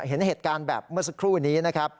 เห็นเหตุการณ์แบบเมื่อสักครู่นี้นะครับ